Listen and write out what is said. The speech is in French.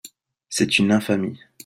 C’est une infamie !…